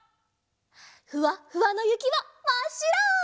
ふわっふわのゆきはまっしろ！